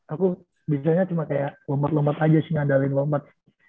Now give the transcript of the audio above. aku biasanya cuma kayak lompat lompat aja sih ngandalin lompat